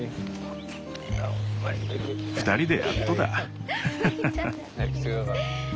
２人でやっとだ。